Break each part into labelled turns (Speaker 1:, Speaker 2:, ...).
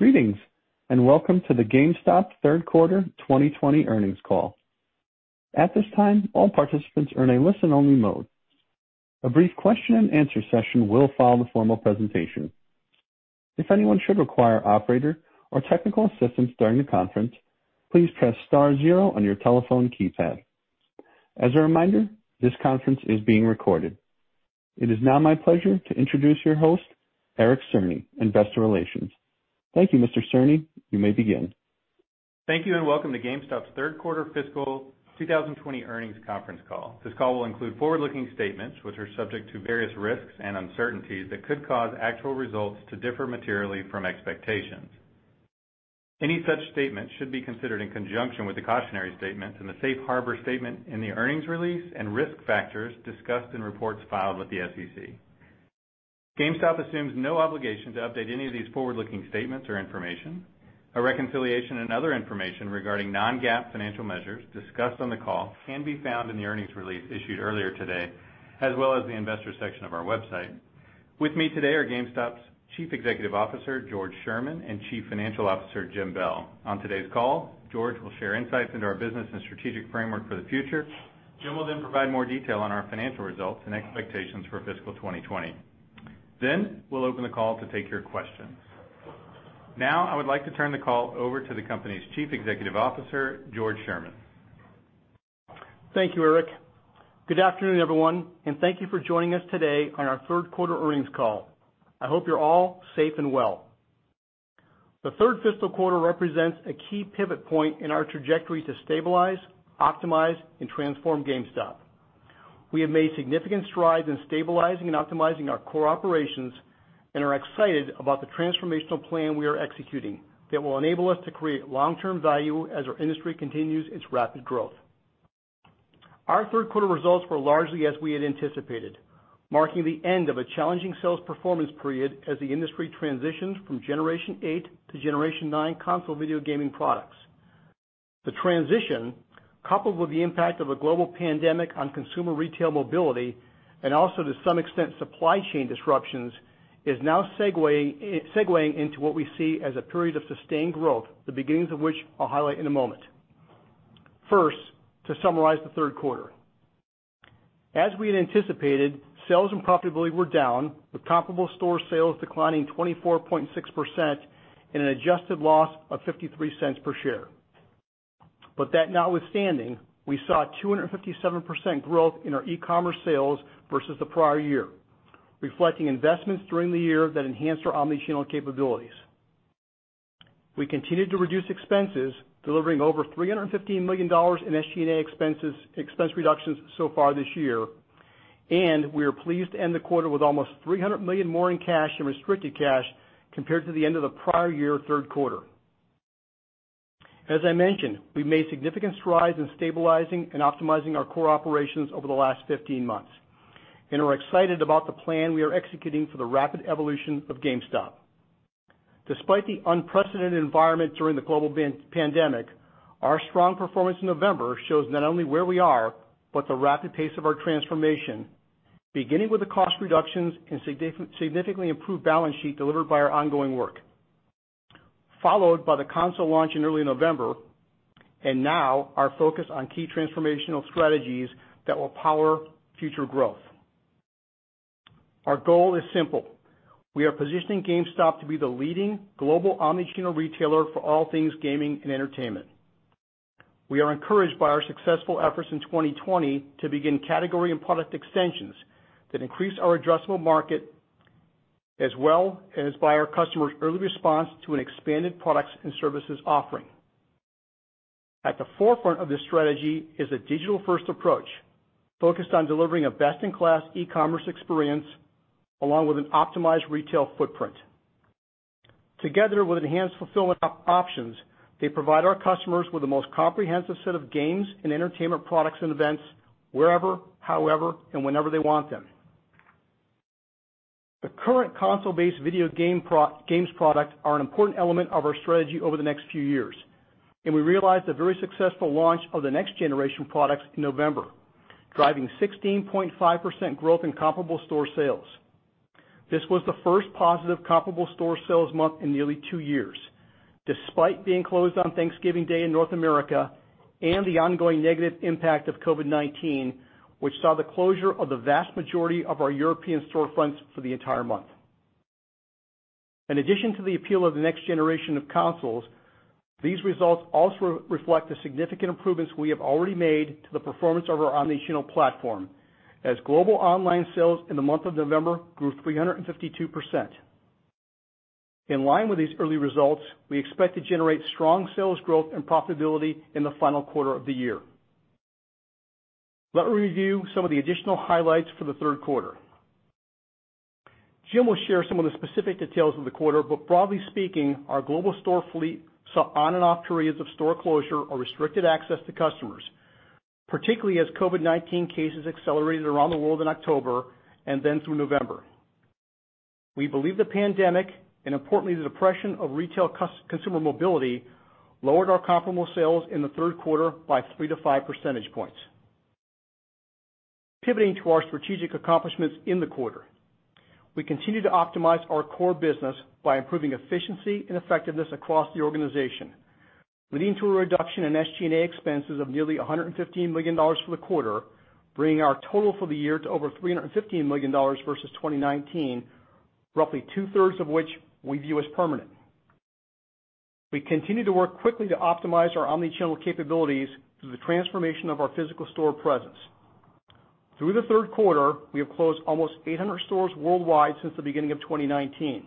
Speaker 1: Greetings, and welcome to the GameStop third quarter 2020 earnings call. At this time, all participants are in a listen-only mode. A brief question and answer session will follow the formal presentation. If anyone should require operator or technical assistance during the conference, please press star 0 on your telephone keypad. As a reminder, this conference is being recorded. It is now my pleasure to introduce your host, Eric Cerny, investor relations. Thank you, Mr. Cerny, you may begin.
Speaker 2: Thank you, and welcome to GameStop's third quarter fiscal 2020 earnings conference call. This call will include forward-looking statements, which are subject to various risks and uncertainties that could cause actual results to differ materially from expectations. Any such statements should be considered in conjunction with the cautionary statements and the safe harbor statement in the earnings release and risk factors discussed in reports filed with the SEC. GameStop assumes no obligation to update any of these forward-looking statements or information. A reconciliation and other information regarding non-GAAP financial measures discussed on the call can be found in the earnings release issued earlier today, as well as the investors section of our website. With me today are GameStop's Chief Executive Officer, George Sherman, and Chief Financial Officer, Jim Bell. On today's call, George will share insights into our business and strategic framework for the future. Jim will then provide more detail on our financial results and expectations for fiscal 2020. We'll open the call to take your questions. Now, I would like to turn the call over to the company's Chief Executive Officer, George Sherman.
Speaker 3: Thank you, Eric. Good afternoon, everyone, and thank you for joining us today on our third quarter earnings call. I hope you're all safe and well. The third fiscal quarter represents a key pivot point in our trajectory to stabilize, optimize, and transform GameStop. We have made significant strides in stabilizing and optimizing our core operations and are excited about the transformational plan we are executing that will enable us to create long-term value as our industry continues its rapid growth. Our third quarter results were largely as we had anticipated, marking the end of a challenging sales performance period as the industry transitions from Generation 8 to Generation 9 console video gaming products. The transition, coupled with the impact of a global pandemic on consumer retail mobility, and also to some extent, supply chain disruptions, is now segueing into what we see as a period of sustained growth, the beginnings of which I'll highlight in a moment. First, to summarize the third quarter. As we had anticipated, sales and profitability were down, with comparable store sales declining 24.6% and an adjusted loss of $0.53 per share. That notwithstanding, we saw 257% growth in our e-commerce sales versus the prior year, reflecting investments during the year that enhanced our omni-channel capabilities. We continued to reduce expenses, delivering over $315 million in SG&A expense reductions so far this year. We are pleased to end the quarter with almost $300 million more in cash and restricted cash compared to the end of the prior year third quarter. As I mentioned, we've made significant strides in stabilizing and optimizing our core operations over the last 15 months and are excited about the plan we are executing for the rapid evolution of GameStop. Despite the unprecedented environment during the global pandemic, our strong performance in November shows not only where we are, but the rapid pace of our transformation, beginning with the cost reductions and significantly improved balance sheet delivered by our ongoing work, followed by the console launch in early November, and now our focus on key transformational strategies that will power future growth. Our goal is simple. We are positioning GameStop to be the leading global omni-channel retailer for all things gaming and entertainment. We are encouraged by our successful efforts in 2020 to begin category and product extensions that increase our addressable market, as well as by our customers' early response to an expanded products and services offering. At the forefront of this strategy is a digital-first approach focused on delivering a best-in-class e-commerce experience along with an optimized retail footprint. Together with enhanced fulfillment options, they provide our customers with the most comprehensive set of games and entertainment products and events wherever, however, and whenever they want them. The current console-based video games products are an important element of our strategy over the next few years, and we realized a very successful launch of the next generation products in November, driving 16.5% growth in comparable store sales. This was the first positive comparable store sales month in nearly two years, despite being closed on Thanksgiving Day in North America and the ongoing negative impact of COVID-19, which saw the closure of the vast majority of our European storefronts for the entire month. In addition to the appeal of the next generation of consoles, these results also reflect the significant improvements we have already made to the performance of our omni-channel platform as global online sales in the month of November grew 352%. In line with these early results, we expect to generate strong sales growth and profitability in the final quarter of the year. Let me review some of the additional highlights for the third quarter. Jim will share some of the specific details of the quarter, but broadly speaking, our global store fleet saw on and off periods of store closure or restricted access to customers, particularly as COVID-19 cases accelerated around the world in October and then through November. We believe the pandemic, and importantly, the depression of retail consumer mobility, lowered our comparable sales in the third quarter by three to five percentage points. Pivoting to our strategic accomplishments in the quarter. We continue to optimize our core business by improving efficiency and effectiveness across the organization, leading to a reduction in SG&A expenses of nearly $115 million for the quarter, bringing our total for the year to over $315 million versus 2019, roughly two-thirds of which we view as permanent. We continue to work quickly to optimize our omni-channel capabilities through the transformation of our physical store presence. Through the third quarter, we have closed almost 800 stores worldwide since the beginning of 2019,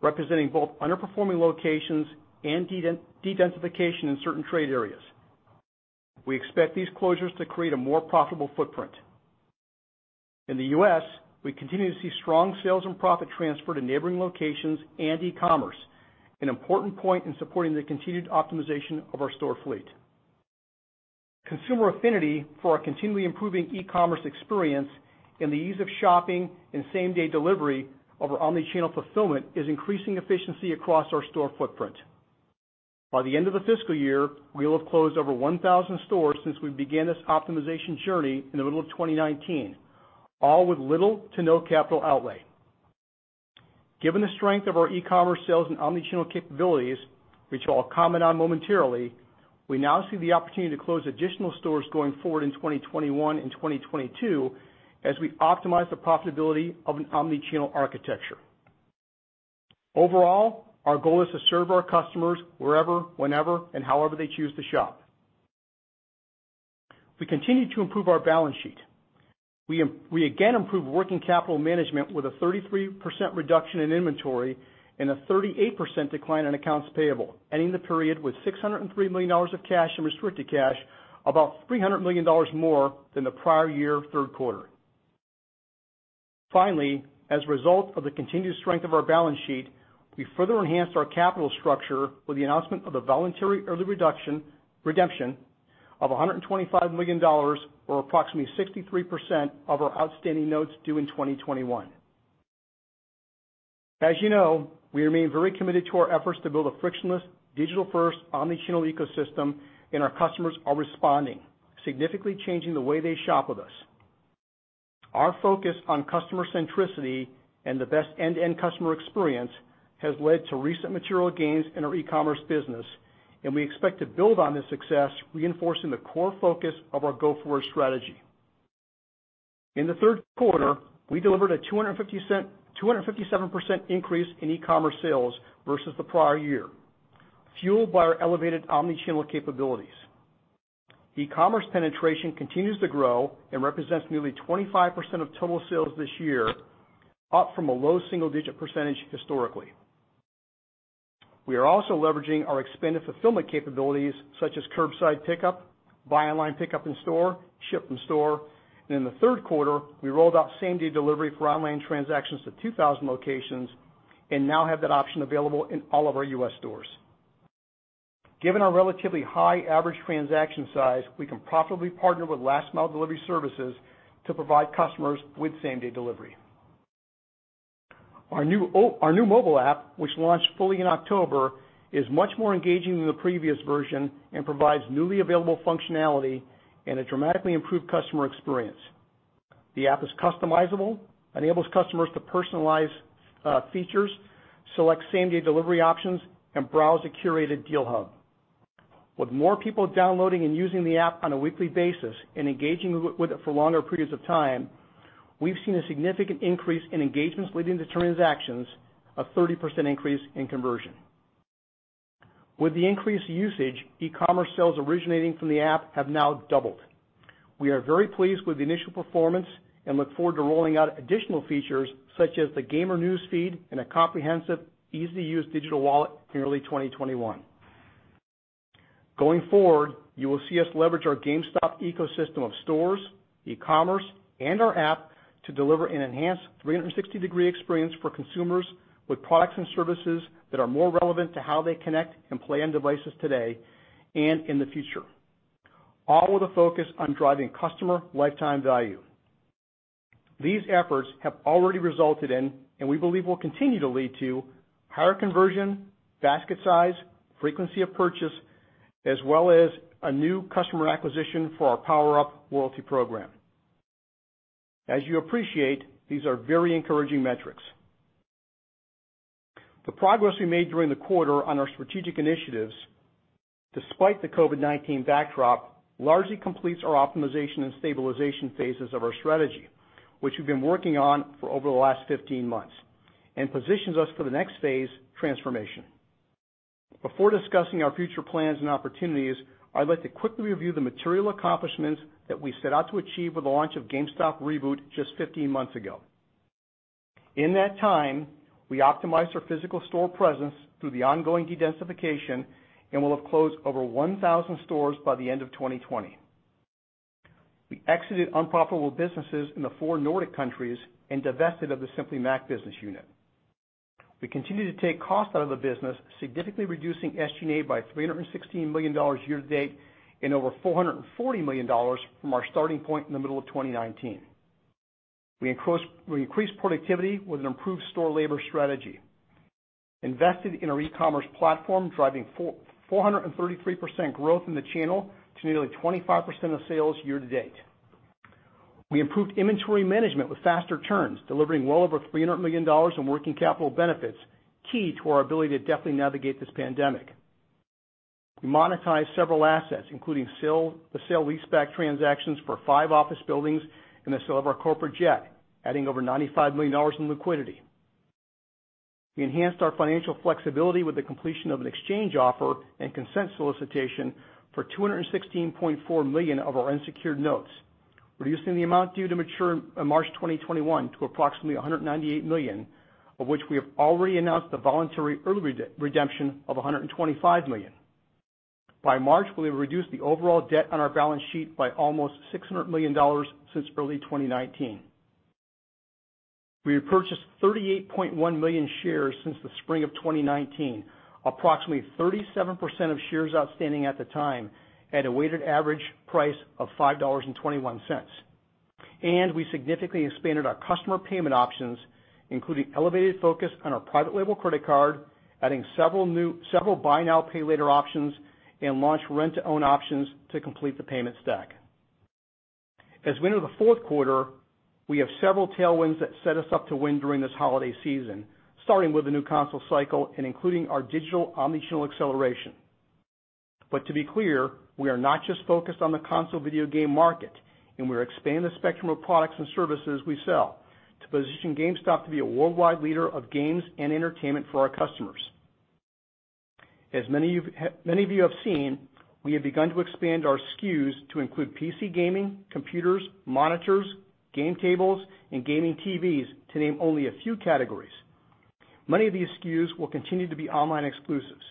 Speaker 3: representing both underperforming locations and de-densification in certain trade areas. We expect these closures to create a more profitable footprint. In the U.S., we continue to see strong sales and profit transfer to neighboring locations and e-commerce, an important point in supporting the continued optimization of our store fleet. Consumer affinity for our continually improving e-commerce experience and the ease of shopping and same-day delivery of our omni-channel fulfillment is increasing efficiency across our store footprint. By the end of the fiscal year, we will have closed over 1,000 stores since we began this optimization journey in the middle of 2019, all with little to no capital outlay. Given the strength of our e-commerce sales and omni-channel capabilities, which I'll comment on momentarily, we now see the opportunity to close additional stores going forward in 2021 and 2022, as we optimize the profitability of an omni-channel architecture. Overall, our goal is to serve our customers wherever, whenever, and however they choose to shop. We continue to improve our balance sheet. We again improved working capital management with a 33% reduction in inventory and a 38% decline in accounts payable, ending the period with $603 million of cash and restricted cash, about $300 million more than the prior year third quarter. Finally, as a result of the continued strength of our balance sheet, we further enhanced our capital structure with the announcement of a voluntary early redemption of $125 million, or approximately 63% of our outstanding notes due in 2021. As you know, we remain very committed to our efforts to build a frictionless, digital-first omni-channel ecosystem, and our customers are responding, significantly changing the way they shop with us. Our focus on customer centricity and the best end-to-end customer experience has led to recent material gains in our e-commerce business, and we expect to build on this success, reinforcing the core focus of our go-forward strategy. In the third quarter, we delivered a 257% increase in e-commerce sales versus the prior year, fueled by our elevated omni-channel capabilities. E-commerce penetration continues to grow and represents nearly 25% of total sales this year, up from a low single digit percentage historically. We are also leveraging our expanded fulfillment capabilities, such as curbside pickup, buy online pickup in store, ship from store, and in the third quarter, we rolled out same-day delivery for online transactions to 2,000 locations, and now have that option available in all of our U.S. stores. Given our relatively high average transaction size, we can profitably partner with last mile delivery services to provide customers with same-day delivery. Our new mobile app, which launched fully in October, is much more engaging than the previous version and provides newly available functionality and a dramatically improved customer experience. The app is customizable, enables customers to personalize features, select same-day delivery options, and browse a curated deal hub. With more people downloading and using the app on a weekly basis and engaging with it for longer periods of time, we've seen a significant increase in engagements leading to transactions, a 30% increase in conversion. With the increased usage, e-commerce sales originating from the app have now doubled. We are very pleased with the initial performance and look forward to rolling out additional features such as the gamer news feed and a comprehensive, easy-to-use digital wallet in early 2021. Going forward, you will see us leverage our GameStop ecosystem of stores, e-commerce, and our app to deliver an enhanced 360-degree experience for consumers with products and services that are more relevant to how they connect and play on devices today and in the future. All with a focus on driving customer lifetime value. These efforts have already resulted in, and we believe will continue to lead to, higher conversion, basket size, frequency of purchase, as well as a new customer acquisition for our PowerUp loyalty program. As you appreciate, these are very encouraging metrics. The progress we made during the quarter on our strategic initiatives, despite the COVID-19 backdrop, largely completes our optimization and stabilization phases of our strategy, which we've been working on for over the last 15 months, and positions us for the next phase, transformation. Before discussing our future plans and opportunities, I'd like to quickly review the material accomplishments that we set out to achieve with the launch of GameStop Reboot just 15 months ago. In that time, we optimized our physical store presence through the ongoing de-densification and will have closed over 1,000 stores by the end of 2020. We exited unprofitable businesses in the four Nordic countries and divested of the Simply Mac business unit. We continue to take cost out of the business, significantly reducing SG&A by $316 million year-to-date and over $440 million from our starting point in the middle of 2019. We increased productivity with an improved store labor strategy, invested in our e-commerce platform, driving 433% growth in the channel to nearly 25% of sales year-to-date. We improved inventory management with faster turns, delivering well over $300 million in working capital benefits, key to our ability to deftly navigate this pandemic. We monetized several assets, including the sale leaseback transactions for five office buildings and the sale of our corporate jet, adding over $95 million in liquidity. We enhanced our financial flexibility with the completion of an exchange offer and consent solicitation for $216.4 million of our unsecured notes, reducing the amount due to mature in March 2021 to approximately $198 million, of which we have already announced the voluntary early redemption of $125 million. By March, we'll have reduced the overall debt on our balance sheet by almost $600 million since early 2019. We repurchased 38.1 million shares since the spring of 2019, approximately 37% of shares outstanding at the time, at a weighted average price of $5.21. We significantly expanded our customer payment options, including elevated focus on our private label credit card, adding several buy now, pay later options, and launched rent-to-own options to complete the payment stack. As we enter the fourth quarter, we have several tailwinds that set us up to win during this holiday season, starting with the new console cycle and including our digital omni-channel acceleration. To be clear, we are not just focused on the console video game market, and we're expanding the spectrum of products and services we sell to position GameStop to be a worldwide leader of games and entertainment for our customers. As many of you have seen, we have begun to expand our SKUs to include PC gaming, computers, monitors, game tables, and gaming TVs, to name only a few categories. Many of these SKUs will continue to be online exclusives.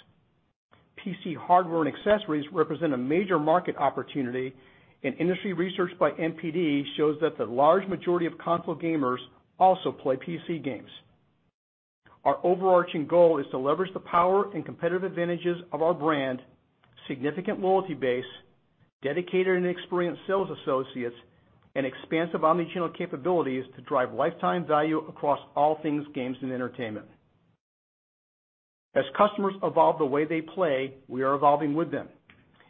Speaker 3: PC hardware and accessories represent a major market opportunity, and industry research by NPD shows that the large majority of console gamers also play PC games. Our overarching goal is to leverage the power and competitive advantages of our brand, significant loyalty base, dedicated and experienced sales associates, and expansive omni-channel capabilities to drive lifetime value across all things games and entertainment. As customers evolve the way they play, we are evolving with them,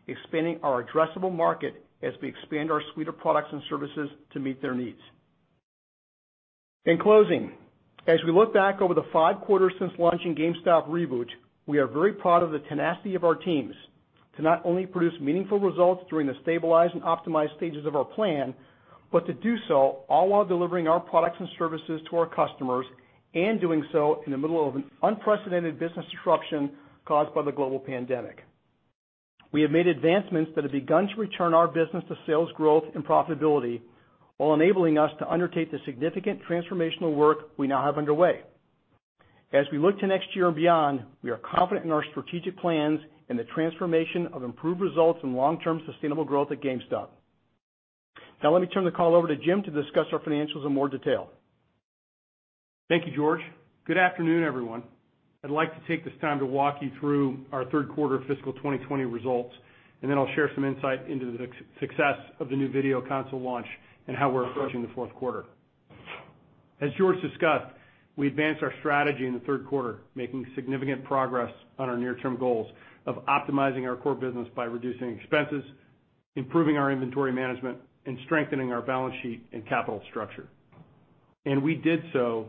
Speaker 3: expanding our addressable market as we expand our suite of products and services to meet their needs. In closing, as we look back over the five quarters since launching GameStop Reboot, we are very proud of the tenacity of our teams to not only produce meaningful results during the stabilize and optimize stages of our plan, but to do so all while delivering our products and services to our customers, and doing so in the middle of an unprecedented business disruption caused by the global pandemic. We have made advancements that have begun to return our business to sales growth and profitability while enabling us to undertake the significant transformational work we now have underway. As we look to next year and beyond, we are confident in our strategic plans and the transformation of improved results and long-term sustainable growth at GameStop. Now, let me turn the call over to Jim to discuss our financials in more detail.
Speaker 4: Thank you, George. Good afternoon, everyone. I'd like to take this time to walk you through our third quarter fiscal 2020 results, and then I'll share some insight into the success of the new video console launch and how we're approaching the fourth quarter. As George discussed, we advanced our strategy in the third quarter, making significant progress on our near-term goals of optimizing our core business by reducing expenses, improving our inventory management, and strengthening our balance sheet and capital structure. We did so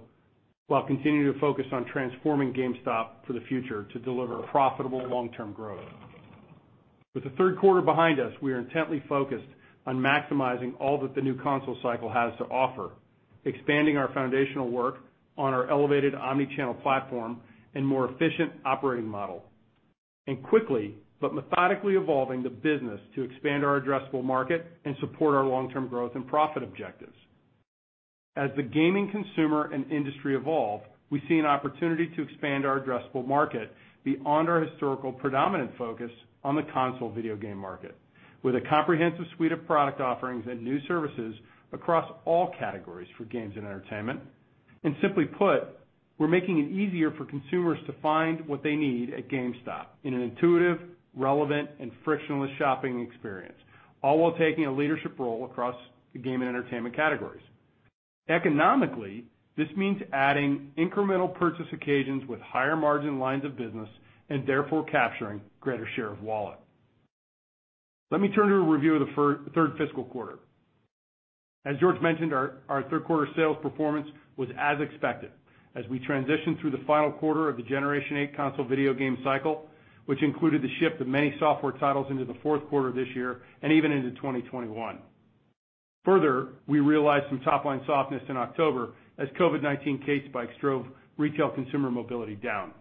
Speaker 4: while continuing to focus on transforming GameStop for the future to deliver profitable long-term growth. With the third quarter behind us, we are intently focused on maximizing all that the new console cycle has to offer, expanding our foundational work on our elevated omni-channel platform and more efficient operating model, and quickly but methodically evolving the business to expand our addressable market and support our long-term growth and profit objectives. As the gaming consumer and industry evolve, we see an opportunity to expand our addressable market beyond our historical predominant focus on the console video game market with a comprehensive suite of product offerings and new services across all categories for games and entertainment. Simply put, we're making it easier for consumers to find what they need at GameStop in an intuitive, relevant, and frictionless shopping experience, all while taking a leadership role across the game and entertainment categories. Economically, this means adding incremental purchase occasions with higher margin lines of business and therefore capturing greater share of wallet. Let me turn to a review of the third fiscal quarter. As George mentioned, our third quarter sales performance was as expected as we transition through the final quarter of the Generation 8 console video game cycle, which included the shift of many software titles into the fourth quarter this year and even into 2021. Further, we realized some top line softness in October as COVID-19 case spikes drove retail consumer mobility down.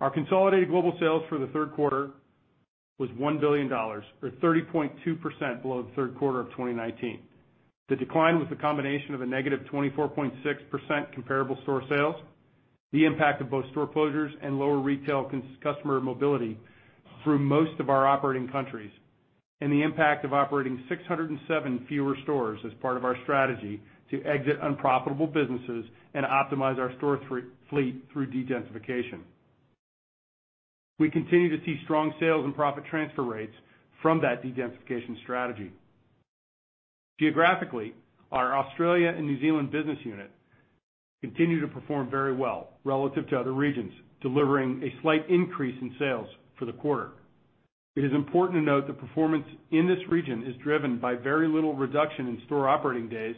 Speaker 4: Our consolidated global sales for the third quarter was $1 billion, or 30.2% below the third quarter of 2019. The decline was the combination of a negative 24.6% comparable store sales, the impact of both store closures and lower retail customer mobility through most of our operating countries, and the impact of operating 607 fewer stores as part of our strategy to exit unprofitable businesses and optimize our store fleet through dedensification. We continue to see strong sales and profit transfer rates from that dedensification strategy. Geographically, our Australia and New Zealand business unit continue to perform very well relative to other regions, delivering a slight increase in sales for the quarter. It is important to note that performance in this region is driven by very little reduction in store operating days,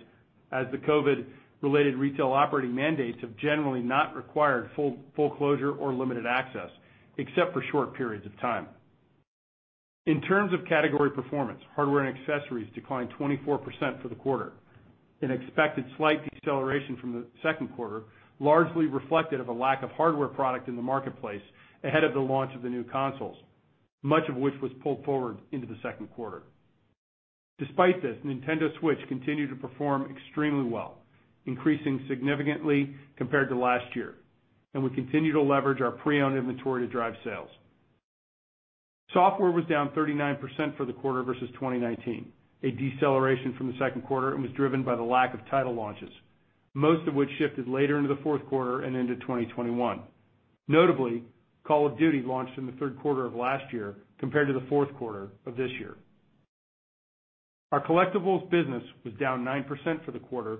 Speaker 4: as the COVID-related retail operating mandates have generally not required full closure or limited access, except for short periods of time. In terms of category performance, hardware and accessories declined 24% for the quarter. An expected slight deceleration from the second quarter, largely reflective of a lack of hardware product in the marketplace ahead of the launch of the new consoles, much of which was pulled forward into the second quarter. Despite this, Nintendo Switch continued to perform extremely well, increasing significantly compared to last year, and we continue to leverage our pre-owned inventory to drive sales. Software was down 39% for the quarter versus 2019, a deceleration from the second quarter, and was driven by the lack of title launches, most of which shifted later into the fourth quarter and into 2021. Notably, Call of Duty launched in the third quarter of last year compared to the fourth quarter of this year. Our collectibles business was down 9% for the quarter,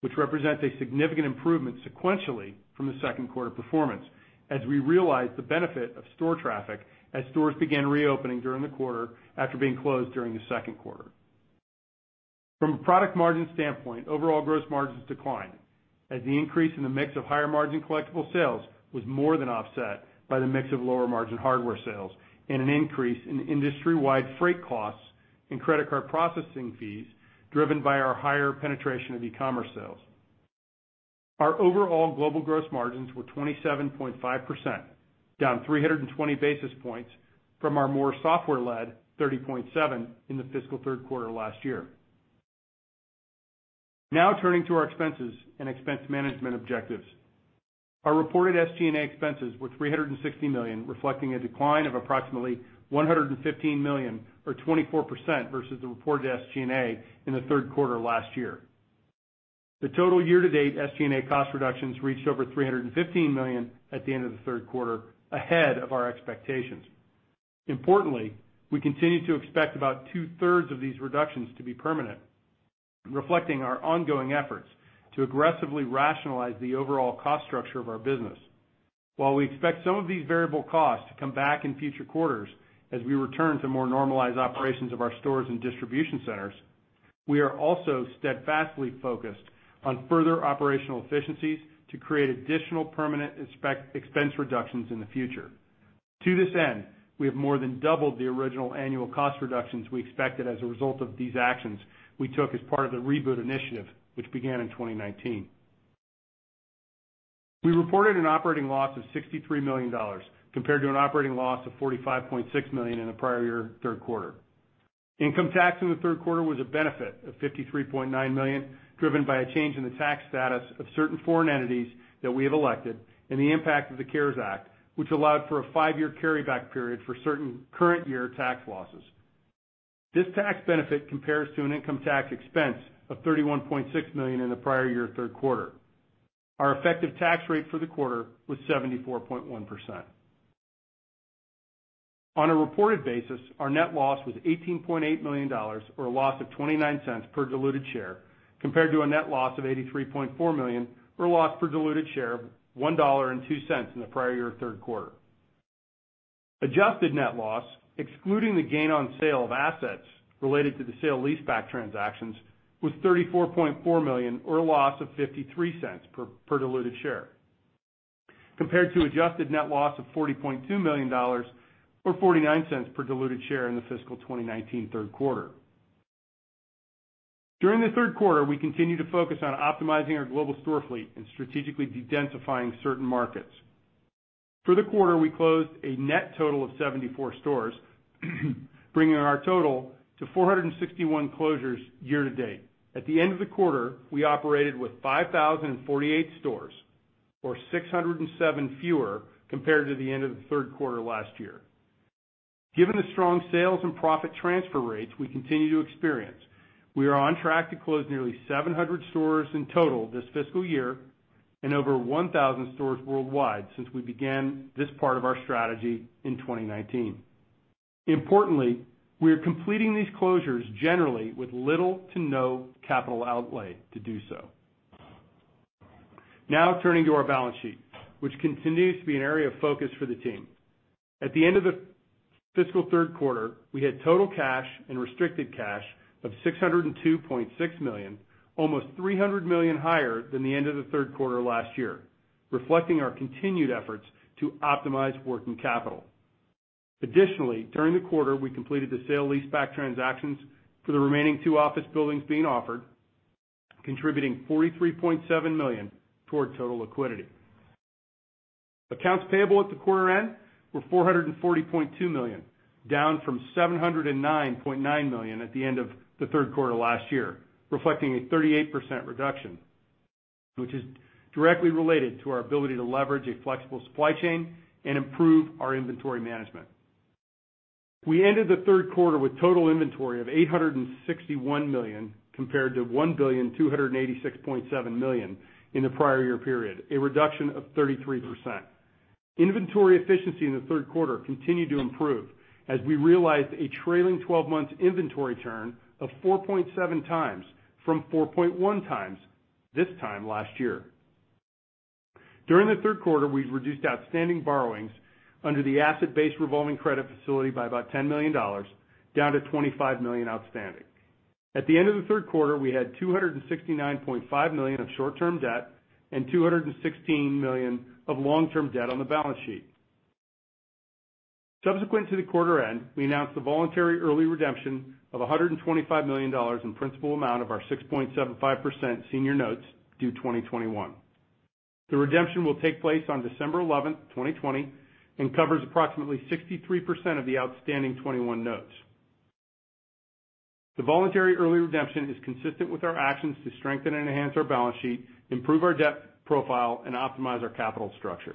Speaker 4: which represents a significant improvement sequentially from the second quarter performance, as we realized the benefit of store traffic as stores began reopening during the quarter after being closed during the second quarter. From a product margin standpoint, overall gross margins declined as the increase in the mix of higher-margin collectible sales was more than offset by the mix of lower-margin hardware sales and an increase in industry-wide freight costs and credit card processing fees, driven by our higher penetration of e-commerce sales. Our overall global gross margins were 27.5%, down 320 basis points from our more software-led 30.7% in the fiscal third quarter last year. Now turning to our expenses and expense management objectives. Our reported SG&A expenses were $360 million, reflecting a decline of approximately $115 million or 24% versus the reported SG&A in the third quarter last year. The total year-to-date SG&A cost reductions reached over $315 million at the end of the third quarter, ahead of our expectations. Importantly, we continue to expect about 2/3 of these reductions to be permanent, reflecting our ongoing efforts to aggressively rationalize the overall cost structure of our business. While we expect some of these variable costs to come back in future quarters as we return to more normalized operations of our stores and distribution centers, we are also steadfastly focused on further operational efficiencies to create additional permanent expense reductions in the future. To this end, we have more than doubled the original annual cost reductions we expected as a result of these actions we took as part of the Reboot initiative, which began in 2019. We reported an operating loss of $63 million, compared to an operating loss of $45.6 million in the prior year third quarter. Income tax in the third quarter was a benefit of $53.9 million, driven by a change in the tax status of certain foreign entities that we have elected and the impact of the CARES Act, which allowed for a five-year carryback period for certain current-year tax losses. This tax benefit compares to an income tax expense of $31.6 million in the prior year third quarter. Our effective tax rate for the quarter was 74.1%. On a reported basis, our net loss was $18.8 million, or a loss of $0.29 per diluted share, compared to a net loss of $83.4 million, or loss per diluted share of $1.02 in the prior year third quarter. Adjusted net loss, excluding the gain on sale of assets related to the sale-leaseback transactions, was $34.4 million, or a loss of $0.53 per diluted share, compared to adjusted net loss of $40.2 million, or $0.49 per diluted share in the fiscal 2019 third quarter. During the third quarter, we continued to focus on optimizing our global store fleet and strategically dedensifying certain markets. For the quarter, we closed a net total of 74 stores, bringing our total to 461 closures year-to-date. At the end of the quarter, we operated with 5,048 stores, or 607 fewer compared to the end of the third quarter last year. Given the strong sales and profit transfer rates we continue to experience, we are on track to close nearly 700 stores in total this fiscal year and over 1,000 stores worldwide since we began this part of our strategy in 2019. Importantly, we are completing these closures generally with little to no capital outlay to do so. Turning to our balance sheet, which continues to be an area of focus for the team. At the end of the fiscal third quarter, we had total cash and restricted cash of $602.6 million, almost $300 million higher than the end of the third quarter last year, reflecting our continued efforts to optimize working capital. During the quarter, we completed the sale-leaseback transactions for the remaining two office buildings being offered, contributing $43.7 million toward total liquidity. Accounts payable at the quarter-end were $440.2 million, down from $709.9 million at the end of the third quarter last year, reflecting a 38% reduction, which is directly related to our ability to leverage a flexible supply chain and improve our inventory management. We ended the third quarter with total inventory of $861 million compared to $1,286.7 million in the prior year period, a reduction of 33%. Inventory efficiency in the third quarter continued to improve as we realized a trailing 12 months inventory turn of 4.7x from 4.1x this time last year. During the third quarter, we've reduced outstanding borrowings under the asset-based revolving credit facility by about $10 million, down to $25 million outstanding. At the end of the third quarter, we had $269.5 million of short-term debt and $216 million of long-term debt on the balance sheet. Subsequent to the quarter end, we announced the voluntary early redemption of $125 million in principal amount of our 6.75% senior notes due 2021. The redemption will take place on December 11th, 2020, and covers approximately 63% of the outstanding '21 notes. The voluntary early redemption is consistent with our actions to strengthen and enhance our balance sheet, improve our debt profile, and optimize our capital structure.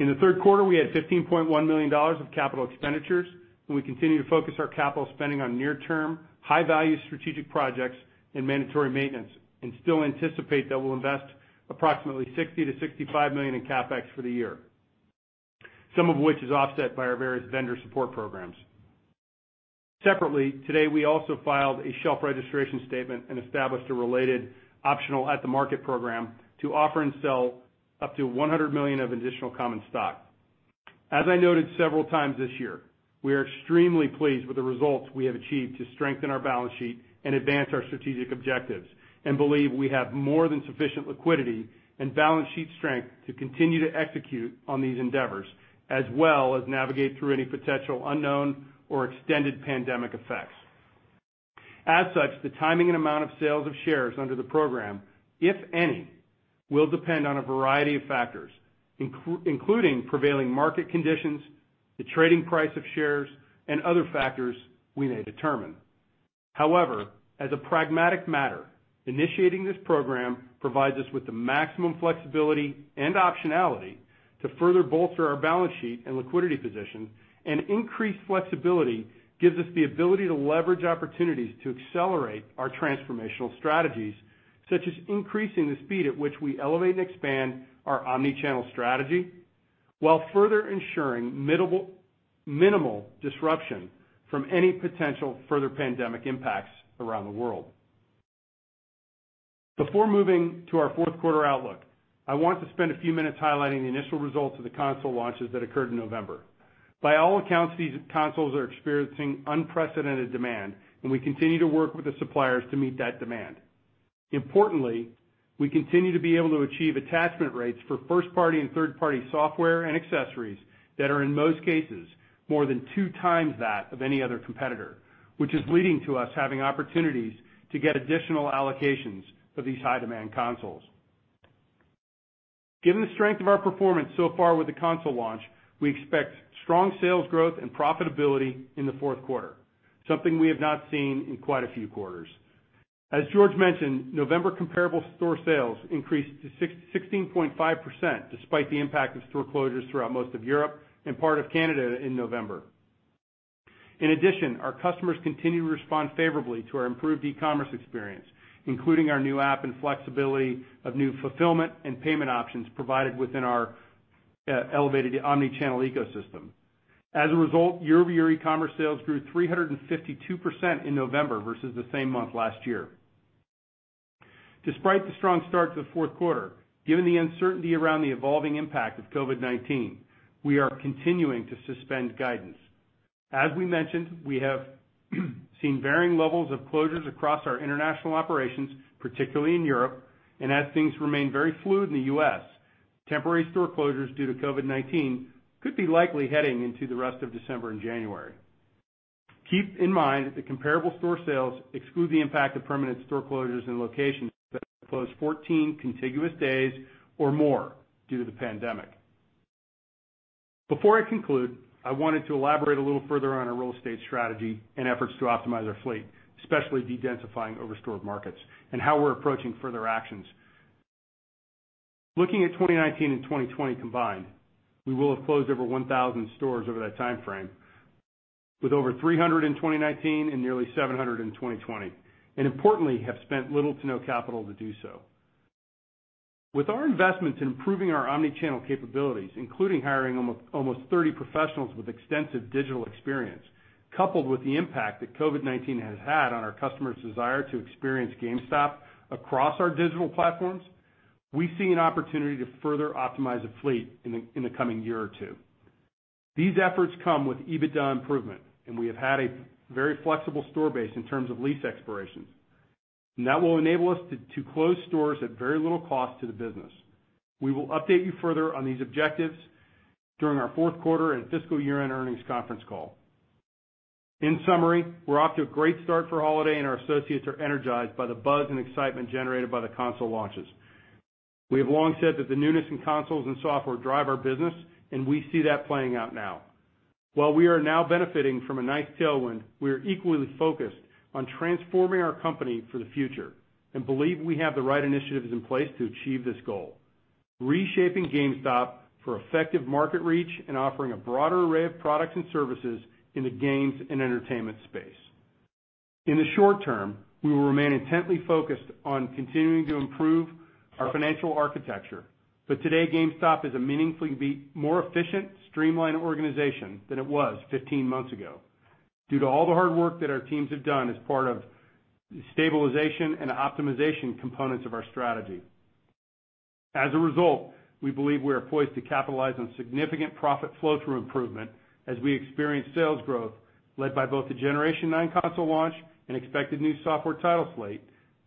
Speaker 4: In the third quarter, we had $15.1 million of capital expenditures, and we continue to focus our capital spending on near-term, high-value strategic projects and mandatory maintenance, and still anticipate that we'll invest approximately $60 million-$65 million in CapEx for the year, some of which is offset by our various vendor support programs. Separately, today, we also filed a shelf registration statement and established a related optional at-the-market program to offer and sell up to $100 million of additional common stock. As I noted several times this year, we are extremely pleased with the results we have achieved to strengthen our balance sheet and advance our strategic objectives, and believe we have more than sufficient liquidity and balance sheet strength to continue to execute on these endeavors as well as navigate through any potential unknown or extended pandemic effects. As such, the timing and amount of sales of shares under the program, if any, will depend on a variety of factors including prevailing market conditions, the trading price of shares, and other factors we may determine. However, as a pragmatic matter, initiating this program provides us with the maximum flexibility and optionality to further bolster our balance sheet and liquidity position, and increased flexibility gives us the ability to leverage opportunities to accelerate our transformational strategies, such as increasing the speed at which we elevate and expand our omni-channel strategy while further ensuring minimal disruption from any potential further pandemic impacts around the world. Before moving to our fourth quarter outlook, I want to spend a few minutes highlighting the initial results of the console launches that occurred in November. By all accounts, these consoles are experiencing unprecedented demand, and we continue to work with the suppliers to meet that demand. Importantly, we continue to be able to achieve attachment rates for first-party and third-party software and accessories that are, in most cases, more than two times that of any other competitor, which is leading to us having opportunities to get additional allocations for these high-demand consoles. Given the strength of our performance so far with the console launch, we expect strong sales growth and profitability in the fourth quarter, something we have not seen in quite a few quarters. As George mentioned, November comparable store sales increased to 16.5% despite the impact of store closures throughout most of Europe and part of Canada in November. In addition, our customers continue to respond favorably to our improved e-commerce experience, including our new app and flexibility of new fulfillment and payment options provided within our elevated omni-channel ecosystem. As a result, year-over-year e-commerce sales grew 352% in November versus the same month last year. Despite the strong start to the fourth quarter, given the uncertainty around the evolving impact of COVID-19, we are continuing to suspend guidance. As we mentioned, we have seen varying levels of closures across our international operations, particularly in Europe, and as things remain very fluid in the U.S., temporary store closures due to COVID-19 could be likely heading into the rest of December and January. Keep in mind that the comparable store sales exclude the impact of permanent store closures and locations that have closed 14 contiguous days or more due to the pandemic. Before I conclude, I wanted to elaborate a little further on our real estate strategy and efforts to optimize our fleet, especially dedensifying overstored markets and how we're approaching further actions. Looking at 2019 and 2020 combined, we will have closed over 1,000 stores over that timeframe with over 300 in 2019 and nearly 700 in 2020, importantly, have spent little to no capital to do so. With our investments in improving our omni-channel capabilities, including hiring almost 30 professionals with extensive digital experience, coupled with the impact that COVID-19 has had on our customers' desire to experience GameStop across our digital platforms, we see an opportunity to further optimize the fleet in the coming year or two. These efforts come with EBITDA improvement. We have had a very flexible store base in terms of lease expirations. That will enable us to close stores at very little cost to the business. We will update you further on these objectives during our fourth quarter and fiscal year-end earnings conference call. In summary, we're off to a great start for holiday, and our associates are energized by the buzz and excitement generated by the console launches. We have long said that the newness in consoles and software drive our business, and we see that playing out now. While we are now benefiting from a nice tailwind, we are equally focused on transforming our company for the future and believe we have the right initiatives in place to achieve this goal. Reshaping GameStop for effective market reach and offering a broader array of products and services in the games and entertainment space. In the short term, we will remain intently focused on continuing to improve our financial architecture. Today, GameStop is a meaningfully more efficient, streamlined organization than it was 15 months ago. Due to all the hard work that our teams have done as part of stabilization and optimization components of our strategy. As a result, we believe we are poised to capitalize on significant profit flow-through improvement as we experience sales growth, led by both the Generation 9 console launch and expected new software title slate,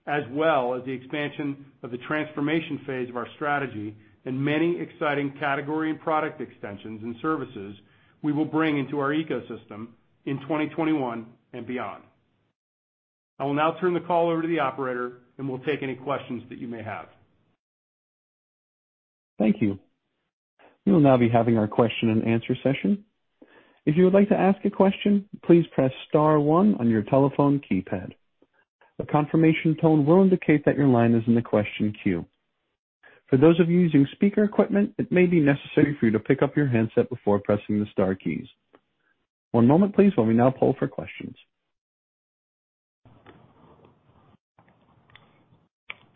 Speaker 4: as well as the expansion of the transformation phase of our strategy and many exciting category and product extensions and services we will bring into our ecosystem in 2021 and beyond. I will now turn the call over to the operator, and we'll take any questions that you may have.
Speaker 1: Thank you. We will now be having our question and answer session. If you would like to ask a question, please press star one on your telephone keypad. A confirmation tone will indicate that your line is in the question queue. For those of you using speaker equipment, it may be necessary for you to pick up your handset before pressing the star keys. One moment please while we now poll for questions.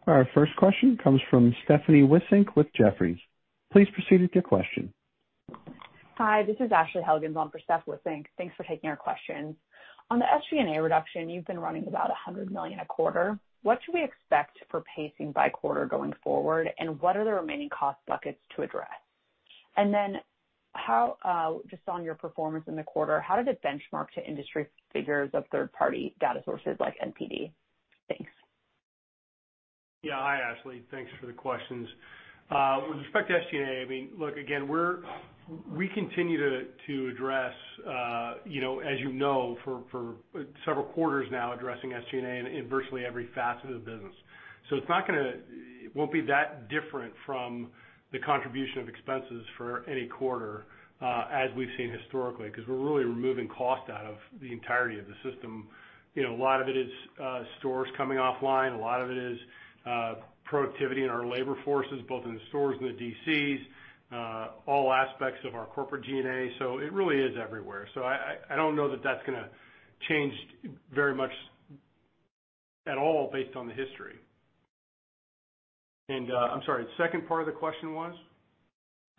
Speaker 1: Our first question comes from Stephanie Wissink with Jefferies. Please proceed with your question.
Speaker 5: Hi, this is Ashley Helgans on for Steph Wissink. Thanks for taking our questions. On the SG&A reduction, you've been running about $100 million a quarter. What should we expect for pacing by quarter going forward, and what are the remaining cost buckets to address? Just on your performance in the quarter, how did it benchmark to industry figures of third-party data sources like NPD? Thanks.
Speaker 4: Hi, Ashley. Thanks for the questions. With respect to SG&A, look, again, we continue, as you know, for several quarters now, addressing SG&A in virtually every facet of the business. It won't be that different from the contribution of expenses for any quarter, as we've seen historically, because we're really removing cost out of the entirety of the system. A lot of it is stores coming offline. A lot of it is productivity in our labor forces, both in the stores and the DCs, all aspects of our corporate G&A. It really is everywhere. I don't know that that's going to change very much at all based on the history. I'm sorry, the second part of the question was?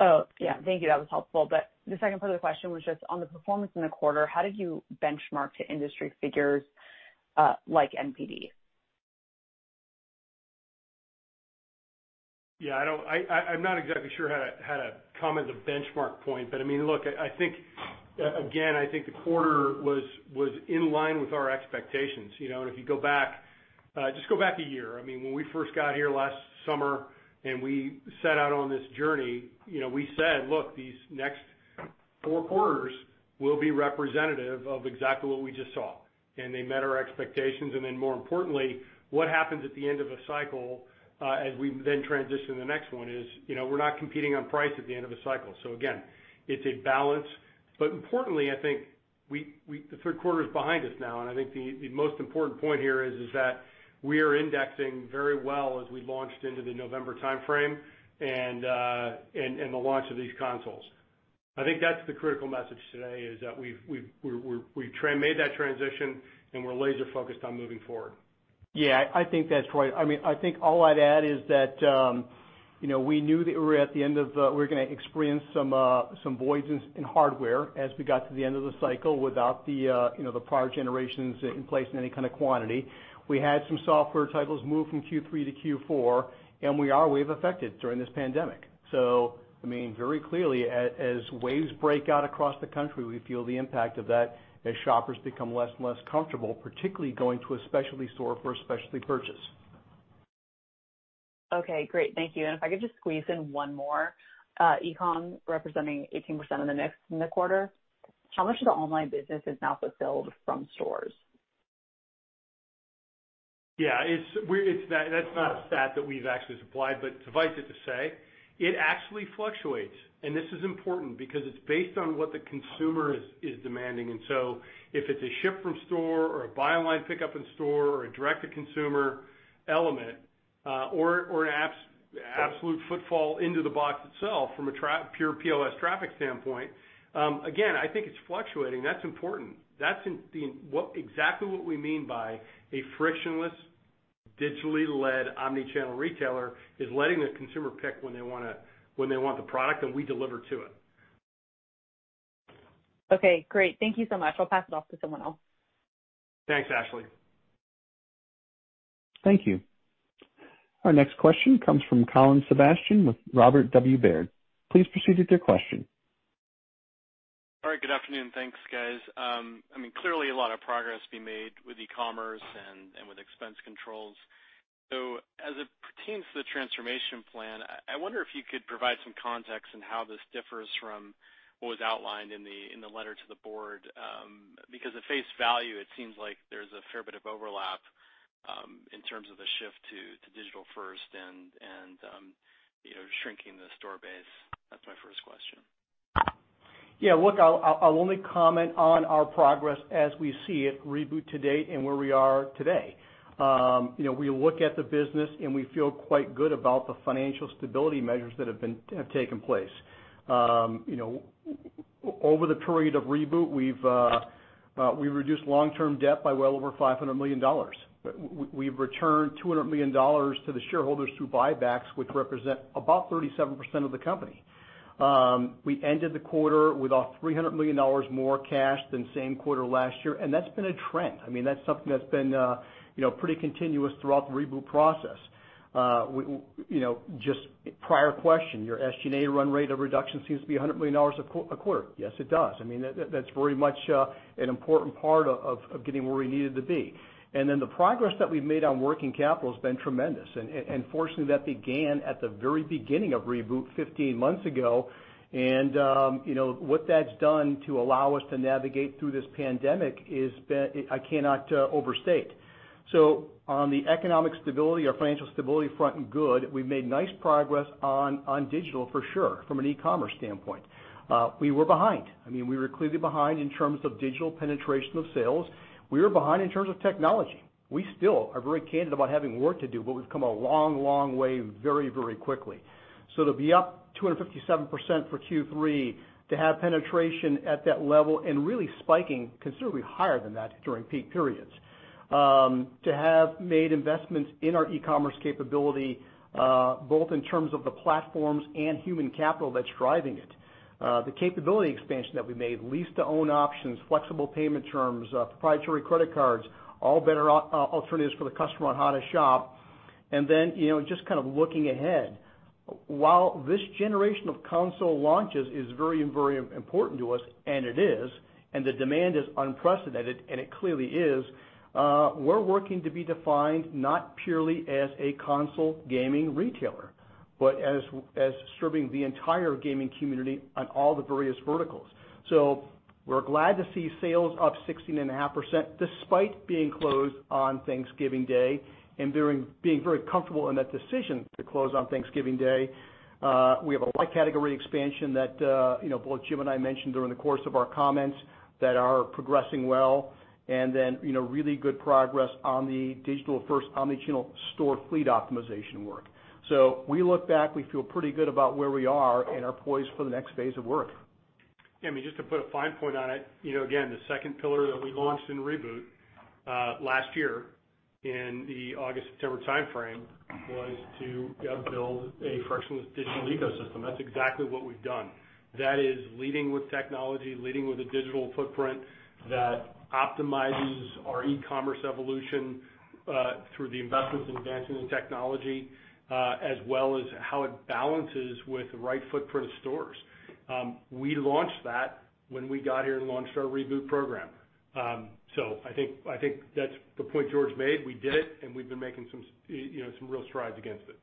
Speaker 5: Oh, yeah. Thank you. That was helpful. The second part of the question was just on the performance in the quarter, how did you benchmark to industry figures like NPD?
Speaker 4: Yeah, I'm not exactly sure how to comment the benchmark point. Look, again, I think the quarter was in line with our expectations. If you just go back a year, when we first got here last summer and we set out on this journey, we said, "Look, these next four quarters will be representative of exactly what we just saw." They met our expectations. More importantly, what happens at the end of a cycle, as we then transition to the next one is, we're not competing on price at the end of a cycle. Again, it's a balance, but importantly, I think the third quarter is behind us now, and I think the most important point here is that we are indexing very well as we launched into the November timeframe and the launch of these consoles. I think that's the critical message today is that we've made that transition, and we're laser focused on moving forward.
Speaker 3: Yeah, I think that's right. I think all I'd add is that we knew that we were going to experience some voids in hardware as we got to the end of the cycle without the prior generations in place in any kind of quantity. We had some software titles move from Q3 to Q4, we are wave-affected during this pandemic. Very clearly, as waves break out across the country, we feel the impact of that as shoppers become less and less comfortable, particularly going to a specialty store for a specialty purchase.
Speaker 5: Okay, great. Thank you. If I could just squeeze in one more. E-com representing 18% of the mix in the quarter, how much of the online business is now fulfilled from stores?
Speaker 4: Yeah, that's not a stat that we've actually supplied, but suffice it to say, it actually fluctuates, and this is important because it's based on what the consumer is demanding in. If it's a ship from store or a buy online pickup in store or a direct-to-consumer element or an absolute footfall into the box itself from a pure POS traffic standpoint, again, I think it's fluctuating. That's important. That's exactly what we mean by a frictionless, digitally led, omni-channel retailer is letting the consumer pick when they want the product, and we deliver to it.
Speaker 5: Okay, great. Thank you so much. I'll pass it off to someone else.
Speaker 4: Thanks, Ashley.
Speaker 1: Thank you. Our next question comes from Colin Sebastian with Robert W. Baird. Please proceed with your question.
Speaker 6: All right. Good afternoon. Thanks, guys. Clearly a lot of progress being made with e-commerce and with expense controls. As it pertains to the transformation plan, I wonder if you could provide some context on how this differs from what was outlined in the letter to the board. At face value, it seems like there's a fair bit of overlap in terms of the shift to digital first and shrinking the store base. That's my first question.
Speaker 3: Yeah. Look, I'll only comment on our progress as we see it, GameStop Reboot to date and where we are today. We look at the business, and we feel quite good about the financial stability measures that have taken place. Over the period of GameStop Reboot, we've reduced long-term debt by well over $500 million. We've returned $200 million to the shareholders through buybacks, which represent about 37% of the company. We ended the quarter with $300 million more cash than same quarter last year, and that's been a trend. That's something that's been pretty continuous throughout the GameStop Reboot process. Just prior question, your SG&A run rate of reduction seems to be $100 million a quarter. Yes, it does. That's very much an important part of getting where we needed to be. The progress that we've made on working capital has been tremendous. Fortunately, that began at the very beginning of Reboot 15 months ago, and what that has done to allow us to navigate through this pandemic, I cannot overstate. On the economic stability or financial stability front, good. We have made nice progress on digital for sure, from an e-commerce standpoint. We were behind. We were clearly behind in terms of digital penetration of sales. We were behind in terms of technology. We still are very candid about having work to do, but we have come a long way very quickly. To be up 257% for Q3, to have penetration at that level and really spiking considerably higher than that during peak periods. To have made investments in our e-commerce capability, both in terms of the platforms and human capital that is driving it. The capability expansion that we made, lease-to-own options, flexible payment terms, proprietary credit cards, all better alternatives for the customer on how to shop. Just kind of looking ahead, while this generation of console launches is very important to us, and it is, and the demand is unprecedented, and it clearly is, we're working to be defined not purely as a console gaming retailer, but as serving the entire gaming community on all the various verticals. We're glad to see sales up 16.5% despite being closed on Thanksgiving Day and being very comfortable in that decision to close on Thanksgiving Day. We have a wide category expansion that both Jim and I mentioned during the course of our comments that are progressing well, really good progress on the digital first omnichannel store fleet optimization work. We look back, we feel pretty good about where we are and are poised for the next phase of work.
Speaker 4: Yeah. Just to put a fine point on it. Again, the second pillar that we launched in Reboot, last year in the August, September timeframe, was to build a frictionless digital ecosystem. That's exactly what we've done. That is leading with technology, leading with a digital footprint that optimizes our e-commerce evolution through the investments in advancing the technology, as well as how it balances with the right footprint of stores. We launched that when we got here and launched our Reboot program. I think that's the point George made. We did it, and we've been making some real strides against it.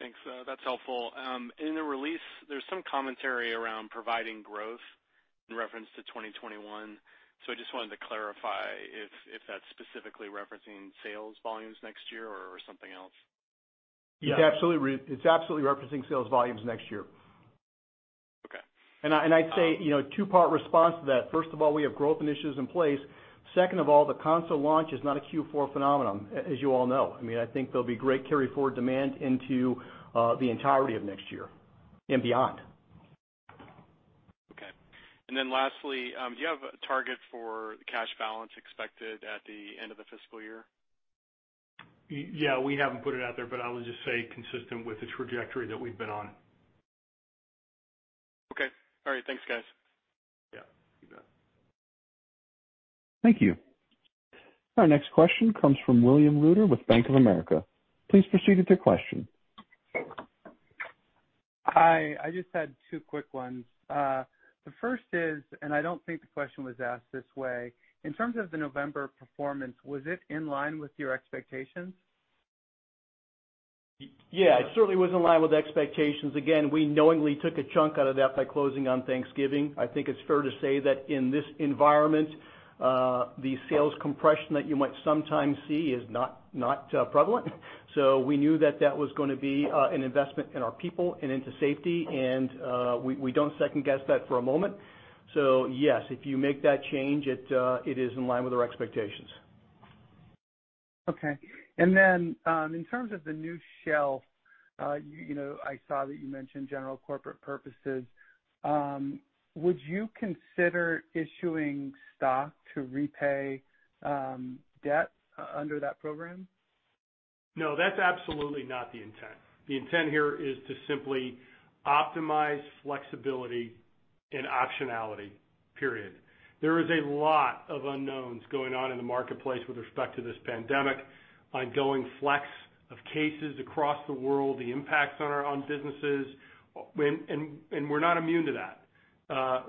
Speaker 6: Thanks. That's helpful. In the release, there's some commentary around providing growth in reference to 2021. I just wanted to clarify if that's specifically referencing sales volumes next year or something else.
Speaker 3: It's absolutely referencing sales volumes next year.
Speaker 6: Okay.
Speaker 3: I'd say, two-part response to that. First of all, we have growth initiatives in place. Second of all, the console launch is not a Q4 phenomenon, as you all know. I think there'll be great carry forward demand into the entirety of next year and beyond.
Speaker 6: Okay. Then lastly, do you have a target for the cash balance expected at the end of the fiscal year?
Speaker 4: Yeah. We haven't put it out there, but I would just say consistent with the trajectory that we've been on.
Speaker 6: Okay. All right. Thanks, guys.
Speaker 4: Yeah. You bet.
Speaker 1: Thank you. Our next question comes from William Reuter with Bank of America. Please proceed with your question.
Speaker 7: Hi. I just had two quick ones. The first is, and I don't think the question was asked this way, in terms of the November performance, was it in line with your expectations?
Speaker 3: Yeah. It certainly was in line with expectations. We knowingly took a chunk out of that by closing on Thanksgiving. I think it's fair to say that in this environment, the sales compression that you might sometimes see is not prevalent. We knew that that was going to be an investment in our people and into safety, and we don't second guess that for a moment. Yes, if you make that change, it is in line with our expectations.
Speaker 7: Okay. In terms of the new shelf, I saw that you mentioned general corporate purposes. Would you consider issuing stock to repay debt under that program?
Speaker 4: No, that's absolutely not the intent. The intent here is to simply optimize flexibility and optionality, period. There is a lot of unknowns going on in the marketplace with respect to this pandemic, ongoing flex of cases across the world, the impacts on our own businesses, and we're not immune to that.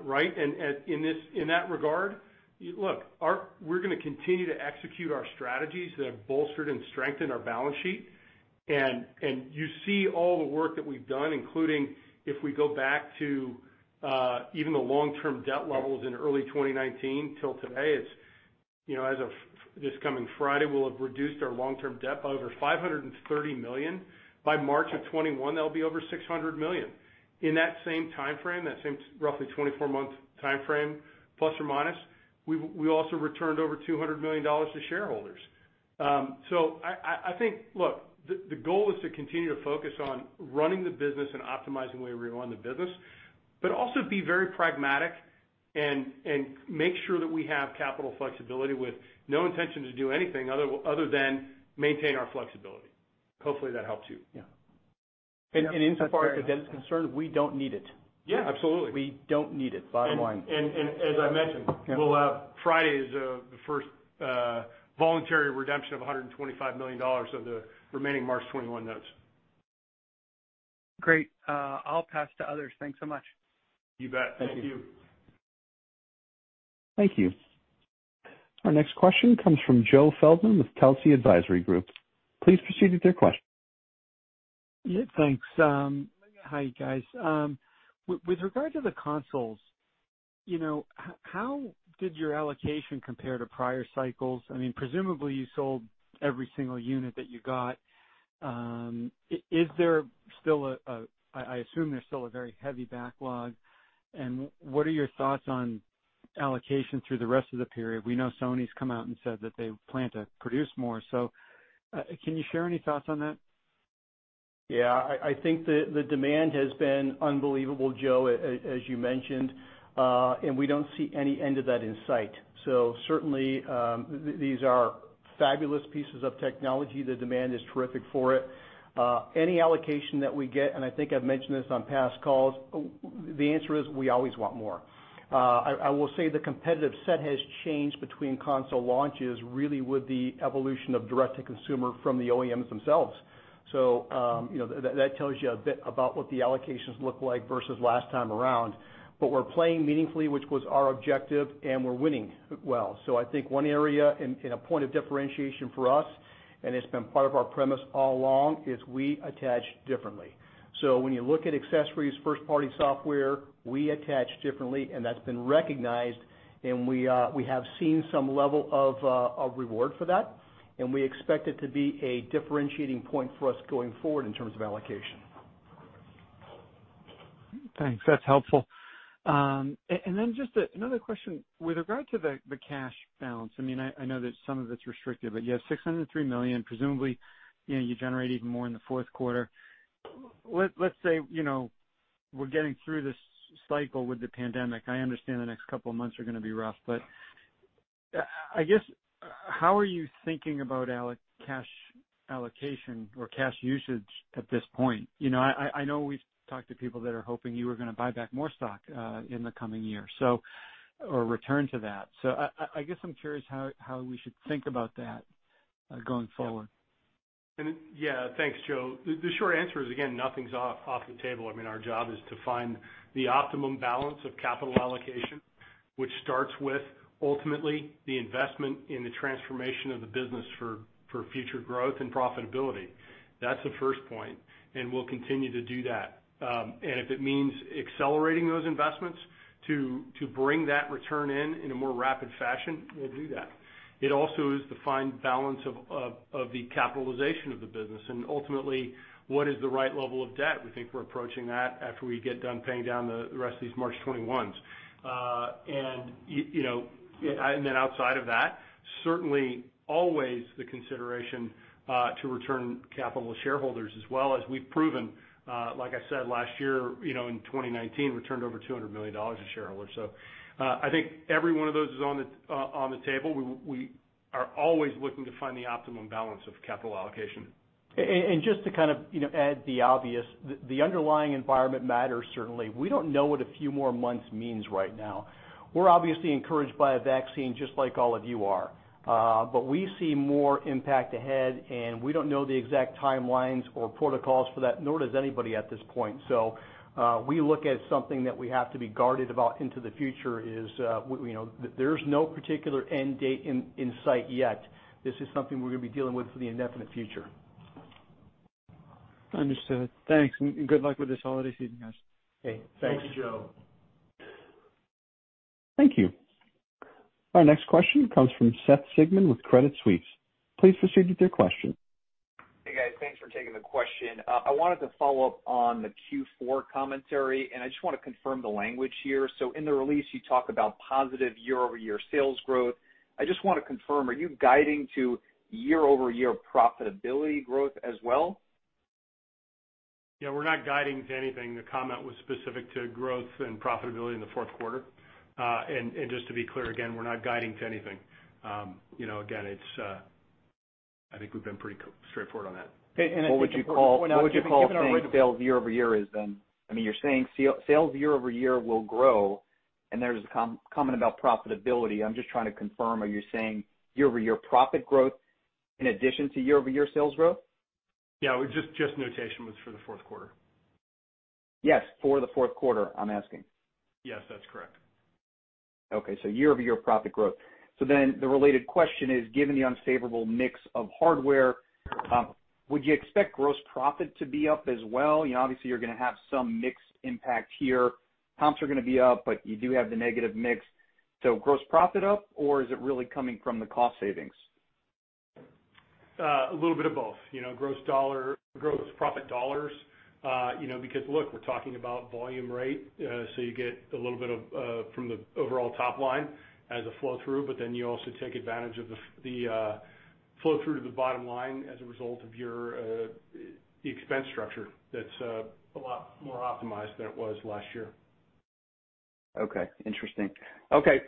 Speaker 4: Right. In that regard, look, we're going to continue to execute our strategies that have bolstered and strengthened our balance sheet. You see all the work that we've done, including if we go back to even the long-term debt levels in early 2019 till today. As of this coming Friday, we'll have reduced our long-term debt by over $530 million. By March of 2021, that'll be over $600 million. In that same timeframe, that same roughly 24-month timeframe, plus or minus, we also returned over $200 million to shareholders. I think, look, the goal is to continue to focus on running the business and optimizing the way we run the business, but also be very pragmatic and make sure that we have capital flexibility with no intention to do anything other than maintain our flexibility. Hopefully that helps you.
Speaker 7: Yeah.
Speaker 3: Insofar as the debt is concerned, we don't need it.
Speaker 4: Yeah, absolutely.
Speaker 3: We don't need it, bottom line.
Speaker 4: As I mentioned.
Speaker 3: Yeah
Speaker 4: We'll have Friday as the first voluntary redemption of $125 million of the remaining March 2021 notes.
Speaker 7: Great. I'll pass to others. Thanks so much.
Speaker 4: You bet. Thank you.
Speaker 3: Thank you.
Speaker 1: Thank you. Our next question comes from Joe Feldman with Telsey Advisory Group. Please proceed with your question.
Speaker 8: Yeah, thanks. Hi, guys. With regard to the consoles, how did your allocation compare to prior cycles? Presumably you sold every single unit that you got. I assume there's still a very heavy backlog. What are your thoughts on allocation through the rest of the period? We know Sony's come out and said that they plan to produce more. Can you share any thoughts on that?
Speaker 3: Yeah. I think the demand has been unbelievable, Joe, as you mentioned. We don't see any end to that in sight. Certainly, these are fabulous pieces of technology. The demand is terrific for it. Any allocation that we get, and I think I've mentioned this on past calls, the answer is we always want more. I will say the competitive set has changed between console launches, really with the evolution of direct-to-consumer from the OEMs themselves. That tells you a bit about what the allocations look like versus last time around. We're playing meaningfully, which was our objective, and we're winning well. I think one area and a point of differentiation for us, and it's been part of our premise all along, is we attach differently. When you look at accessories, first-party software, we attach differently, and that's been recognized, and we have seen some level of reward for that, and we expect it to be a differentiating point for us going forward in terms of allocation.
Speaker 8: Thanks. That's helpful. Just another question. With regard to the cash balance, I know that some of it's restricted, but you have $603 million. Presumably, you generate even more in the fourth quarter. Let's say we're getting through this cycle with the pandemic. I understand the next couple of months are going to be rough, but I guess, how are you thinking about cash allocation or cash usage at this point? I know we've talked to people that are hoping you are going to buy back more stock in the coming year, or return to that. I guess I'm curious how we should think about that going forward.
Speaker 4: Yeah. Thanks, Joe. The short answer is, again, nothing's off the table. Our job is to find the optimum balance of capital allocation, which starts with ultimately the investment in the transformation of the business for future growth and profitability. That's the first point, and we'll continue to do that. If it means accelerating those investments to bring that return in in a more rapid fashion, we'll do that. It also is the fine balance of the capitalization of the business and ultimately, what is the right level of debt. We think we're approaching that after we get done paying down the rest of these March 2021s. Outside of that, certainly always the consideration to return capital to shareholders as well, as we've proven. Like I said, last year, in 2019, returned over $200 million to shareholders. I think every one of those is on the table. We are always looking to find the optimum balance of capital allocation.
Speaker 3: Just to add the obvious, the underlying environment matters, certainly. We don't know what a few more months means right now. We're obviously encouraged by a vaccine just like all of you are. We see more impact ahead, and we don't know the exact timelines or protocols for that, nor does anybody at this point. We look at something that we have to be guarded about into the future is there's no particular end date in sight yet. This is something we're going to be dealing with for the indefinite future.
Speaker 8: Understood. Thanks, and good luck with this holiday season, guys.
Speaker 3: Okay, thanks.
Speaker 4: Thank you, Joe.
Speaker 1: Thank you. Our next question comes from Seth Sigman with Credit Suisse. Please proceed with your question.
Speaker 9: Hey, guys. Thanks for taking the question. I wanted to follow up on the Q4 commentary, and I just want to confirm the language here. In the release, you talk about positive year-over-year sales growth. I just want to confirm, are you guiding to year-over-year profitability growth as well?
Speaker 4: Yeah, we're not guiding to anything. The comment was specific to growth and profitability in the fourth quarter. Just to be clear, again, we're not guiding to anything. Again, I think we've been pretty straightforward on that.
Speaker 9: What would you call saying sales year-over-year is then? You're saying sales year-over-year will grow, and there's a comment about profitability. I'm just trying to confirm, are you saying year-over-year profit growth in addition to year-over-year sales growth?
Speaker 4: Yeah. Just notation was for the fourth quarter.
Speaker 9: Yes, for the fourth quarter, I'm asking.
Speaker 4: Yes, that's correct.
Speaker 9: Okay. Year-over-year profit growth. The related question is, given the unfavorable mix of hardware, would you expect gross profit to be up as well? Obviously, you're going to have some mix impact here. Comps are going to be up, but you do have the negative mix. Gross profit up, or is it really coming from the cost savings?
Speaker 4: A little bit of both. Gross profit dollars, because look, we're talking about volume rate, so you get a little bit from the overall top line as a flow-through, but then you also take advantage of the flow-through to the bottom line as a result of the expense structure that's a lot more optimized than it was last year.
Speaker 9: Okay. Interesting. Okay.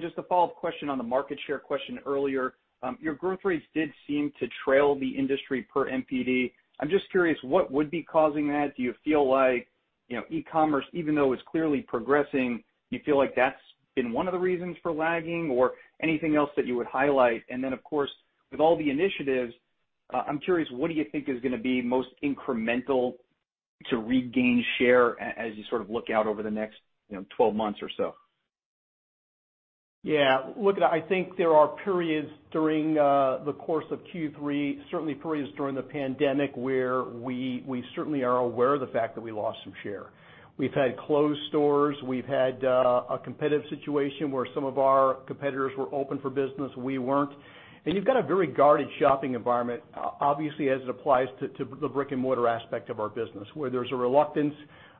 Speaker 9: Just a follow-up question on the market share question earlier. Your growth rates did seem to trail the industry per NPD. I'm just curious, what would be causing that? Do you feel like e-commerce, even though it's clearly progressing, you feel like that's been one of the reasons for lagging or anything else that you would highlight? Of course, with all the initiatives, I'm curious, what do you think is going to be most incremental to regain share as you look out over the next 12 months or so?
Speaker 3: Yeah. Look, I think there are periods during the course of Q3, certainly periods during the pandemic, where we certainly are aware of the fact that we lost some share. We've had closed stores. We've had a competitive situation where some of our competitors were open for business, we weren't. You've got a very guarded shopping environment, obviously, as it applies to the brick-and-mortar aspect of our business, where there's a reluctance,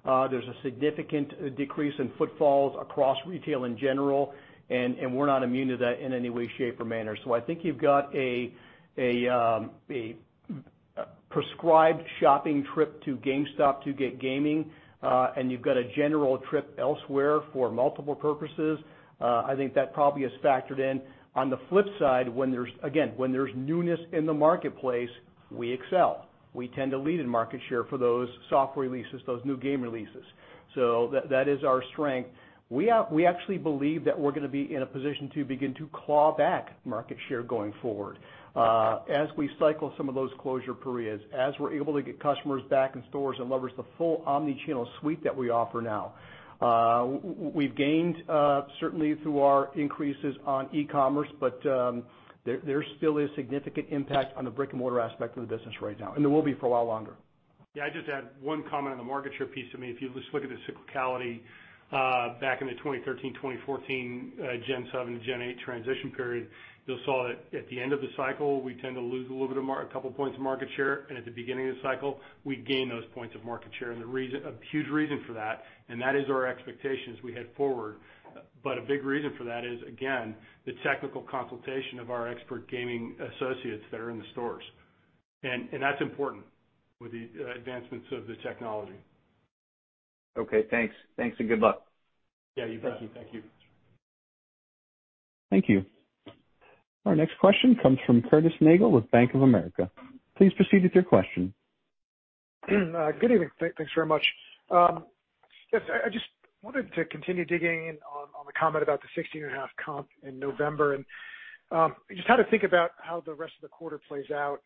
Speaker 3: there's a significant decrease in footfalls across retail in general, and we're not immune to that in any way, shape, or manner. I think you've got a prescribed shopping trip to GameStop to get gaming, and you've got a general trip elsewhere for multiple purposes. I think that probably is factored in. On the flip side, again, when there's newness in the marketplace, we excel. We tend to lead in market share for those software releases, those new game releases. That is our strength. We actually believe that we're going to be in a position to begin to claw back market share going forward as we cycle some of those closure periods, as we're able to get customers back in stores and leverage the full omni-channel suite that we offer now. We've gained, certainly through our increases on e-commerce, but there still is significant impact on the brick-and-mortar aspect of the business right now, and there will be for a while longer.
Speaker 4: I'd just add one comment on the market share piece. I mean, if you just look at the cyclicality back in the 2013, 2014 Gen 7 to Gen 8 transition period, you'll saw that at the end of the cycle, we tend to lose a couple points of market share, and at the beginning of the cycle, we gain those points of market share. A huge reason for that, and that is our expectation as we head forward. A big reason for that is, again, the technical consultation of our expert gaming associates that are in the stores. That's important with the advancements of the technology.
Speaker 9: Okay, thanks. Thanks and good luck.
Speaker 4: Yeah, you bet.
Speaker 3: Thank you.
Speaker 1: Thank you. Our next question comes from Curtis Nagle with Bank of America. Please proceed with your question.
Speaker 10: Good evening. Thanks very much. Yes, I just wanted to continue digging in on the comment about the 16.5% comp in November, and just how to think about how the rest of the quarter plays out.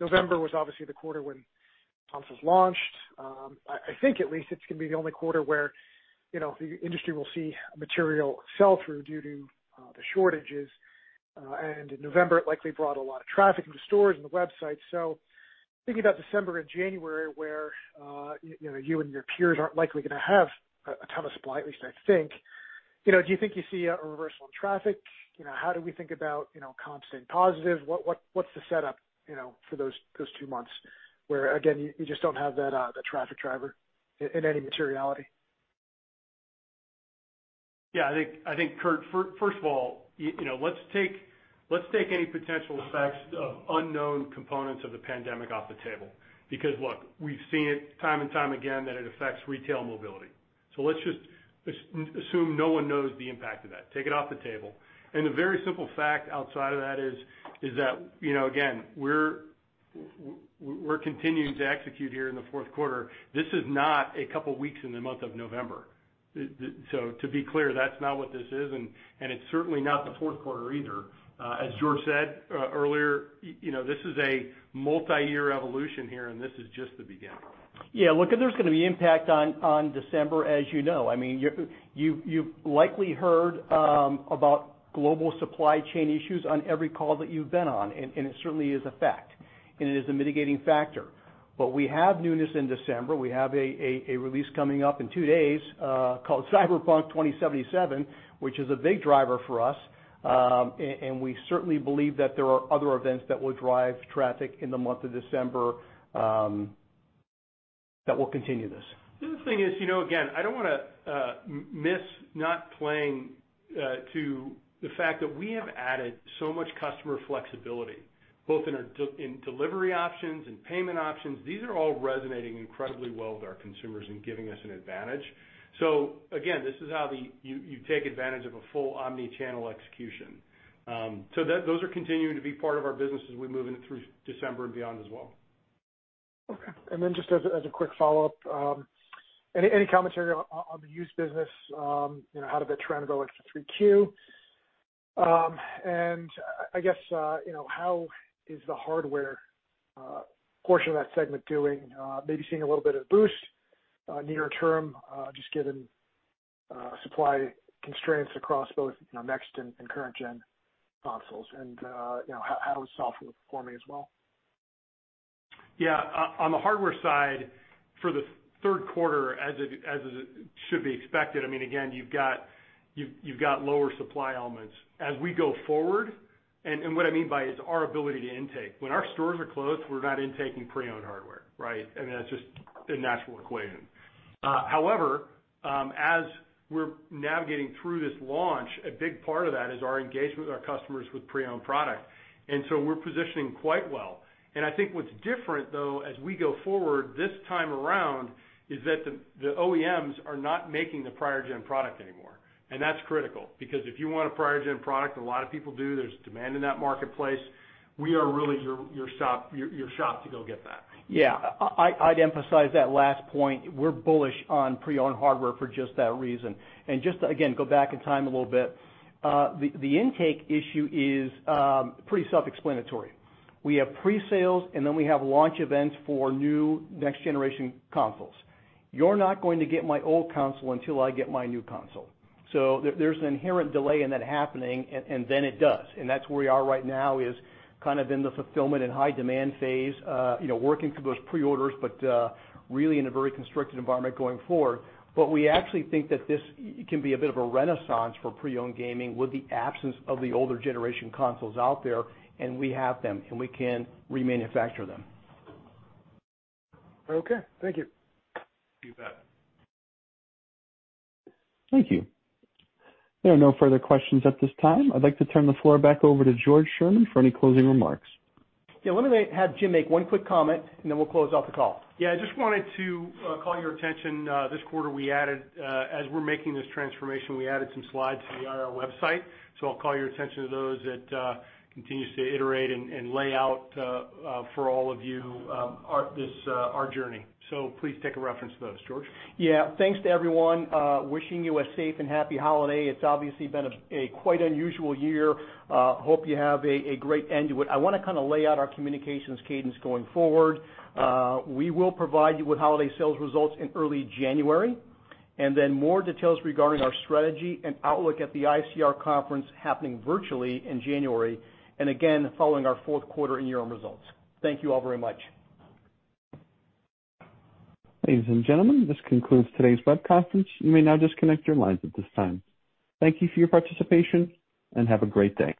Speaker 10: November was obviously the quarter when consoles launched. I think at least it's going to be the only quarter where the industry will see a material sell-through due to the shortages. In November, it likely brought a lot of traffic into stores and the website. Thinking about December and January, where you and your peers aren't likely going to have a ton of supply, at least I think, do you think you see a reversal in traffic? How do we think about comps staying positive? What's the setup for those two months, where again, you just don't have that traffic driver in any materiality?
Speaker 4: Yeah, I think, Curt, first of all, let's take any potential effects of unknown components of the pandemic off the table. Look, we've seen it time and time again that it affects retail mobility. Let's just assume no one knows the impact of that. Take it off the table. The very simple fact outside of that is that, again, we're continuing to execute here in the fourth quarter. This is not a couple of weeks in the month of November. To be clear, that's not what this is, and it's certainly not the fourth quarter either. As George said earlier, this is a multi-year evolution here, and this is just the beginning.
Speaker 3: Yeah, look, there's going to be impact on December, as you know. You've likely heard about global supply chain issues on every call that you've been on, and it certainly is a fact, and it is a mitigating factor. We have newness in December. We have a release coming up in two days called Cyberpunk 2077, which is a big driver for us. We certainly believe that there are other events that will drive traffic in the month of December that will continue this.
Speaker 4: The other thing is, again, I don't want to miss not playing to the fact that we have added so much customer flexibility, both in delivery options and payment options. These are all resonating incredibly well with our consumers and giving us an advantage. Again, this is how you take advantage of a full omni-channel execution. Those are continuing to be part of our business as we move in through December and beyond as well.
Speaker 10: Okay. Just as a quick follow-up, any commentary on the used business, how did that trend go into 3Q? I guess, how is the hardware portion of that segment doing? Maybe seeing a little bit of boost nearer term, just given. Supply constraints across both next-gen and current-gen consoles and how is software performing as well?
Speaker 4: Yeah. On the hardware side for the third quarter, as it should be expected, again, you've got lower supply elements. As we go forward, I mean, our ability to intake. When our stores are closed, we're not intaking pre-owned hardware, right? I mean, that's just a natural equation. However, as we're navigating through this launch, a big part of that is our engagement with our customers with pre-owned product. We're positioning quite well. I think what's different, though, as we go forward this time around, is that the OEMs are not making the prior-gen product anymore. That's critical, because if you want a prior-gen product, a lot of people do, there's demand in that marketplace, we are really your shop to go get that.
Speaker 3: Yeah. I'd emphasize that last point. We're bullish on pre-owned hardware for just that reason. Just to, again, go back in time a little bit, the intake issue is pretty self-explanatory. We have pre-sales, and then we have launch events for new next-generation consoles. You're not going to get my old console until I get my new console. There's an inherent delay in that happening, and then it does. That's where we are right now is kind of in the fulfillment and high demand phase, working through those pre-orders, but really in a very constricted environment going forward. We actually think that this can be a bit of a renaissance for pre-owned gaming with the absence of the older generation consoles out there, and we have them, and we can remanufacture them.
Speaker 10: Okay. Thank you.
Speaker 4: You bet.
Speaker 1: Thank you. There are no further questions at this time. I'd like to turn the floor back over to George Sherman for any closing remarks.
Speaker 3: Yeah, let me have Jim make one quick comment, and then we'll close out the call.
Speaker 4: I just wanted to call your attention. This quarter, as we're making this transformation, we added some slides to the IR website. I'll call your attention to those that continues to iterate and lay out for all of you our journey. Please take a reference to those. George?
Speaker 3: Yeah. Thanks to everyone. Wishing you a safe and happy holiday. It's obviously been a quite unusual year. Hope you have a great end to it. I want to lay out our communications cadence going forward. We will provide you with holiday sales results in early January, and then more details regarding our strategy and outlook at the ICR conference happening virtually in January, and again, following our fourth quarter and year-end results. Thank you all very much.
Speaker 1: Ladies and gentlemen, this concludes today's web conference. You may now disconnect your lines at this time. Thank you for your participation, and have a great day.